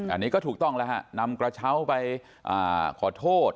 อันนี้ก็ถูกต้องแล้วฮะนำกระเช้าไปขอโทษ